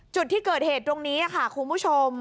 จุดที่เกิดเหตุตรงนี้ค่ะคุณผู้ชม